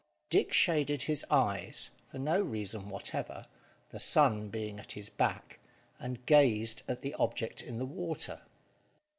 Dick shaded his eyes, for no reason whatever, the sun being at his back, and gazed at the object in the water.